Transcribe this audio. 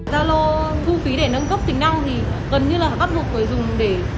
zalo thu phí để nâng cấp tính năng thì gần như là bắt buộc người dùng để